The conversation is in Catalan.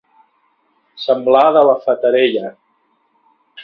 Semblar de la Fatarella.